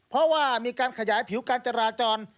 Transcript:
เพราะว่ามีการขยายผิวการจราจร